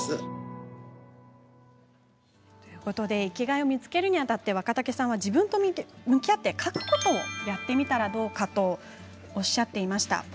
生きがいを見つけるにあたって、若竹さんは自分と向き合っていたことをやってみたらどうかということをおっしゃっていました。